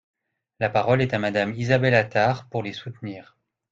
La parole est à Madame Isabelle Attard, pour les soutenir.